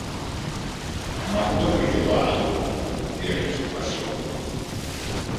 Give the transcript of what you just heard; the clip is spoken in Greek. Μα πού το βρήκε το άλογο; διέκοψε το Βασιλόπουλο.